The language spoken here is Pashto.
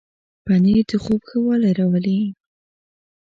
پنېر د خوب ښه والی راولي.